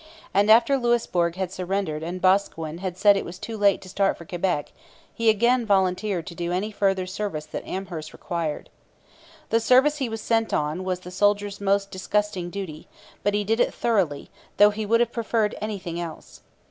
And after Louisbourg had surrendered and Boscawen had said it was too late to start for Quebec, he again volunteered to do any further service that Amherst required. The service he was sent on was the soldier's most disgusting duty; but he did it thoroughly, though he would have preferred anything else.